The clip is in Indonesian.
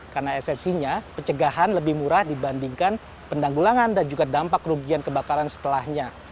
karena esensinya pencegahan lebih murah dibandingkan pendanggulangan dan juga dampak rugian kebakaran setelahnya